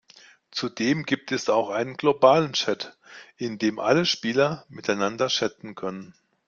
Zudem gibt es auch einen globalen Chat, in dem alle Spieler miteinander chatten können.